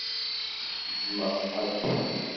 Jjmeɣ Ḥasan.